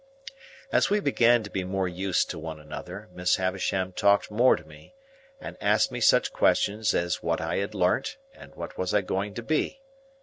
As we began to be more used to one another, Miss Havisham talked more to me, and asked me such questions as what had I learnt and what was I going to be?